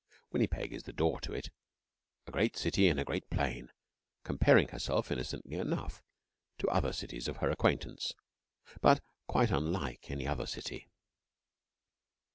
Winnipeg is the door to it a great city in a great plain, comparing herself, innocently enough, to other cities of her acquaintance, but quite unlike any other city.